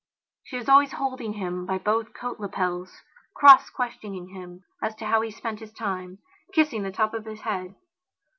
She was always holding him by both coat lapels; cross questioning him as to how he spent his time; kissing the top of his head.